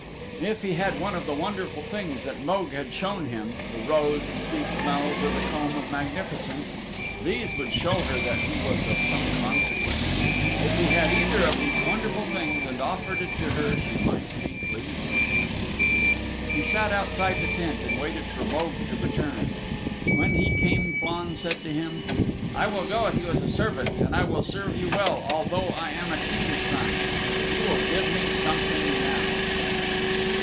If he had one of the wonderful things that Mogue had shown him the Rose of Sweet Smells or the Comb of Magnificence! These would show her that he was of some consequence. If he had either of these wonderful things and offered it to her she might be pleased with him! He sat outside the tent and waited for Mogue to return. When he came Flann said to him, "I will go with you as a servant, and I will serve you well although I am a King's Son, if you will give me something now."